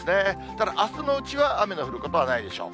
ただ、あすのうちは雨の降ることはないでしょう。